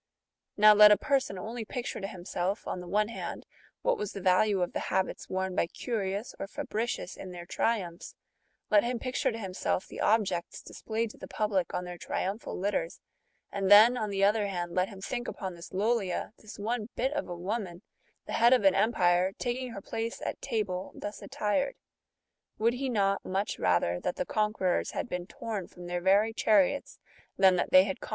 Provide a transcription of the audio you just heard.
K'ow let a person only picture to himself, on the one hand, what was the value of the habits worn by Curius or Fabricius in their triumphs, let him picture to him self the objects displayed to the public on their triumphal litters, ^^* and then, on the other hand, let him think upon this Lollia, this one bit ^^ of a woman, the head of an empire, taking her place at table, thus attired ; would he not much rather that the conquerors had been torn from their very chariots, than that they had conquered for such a result as this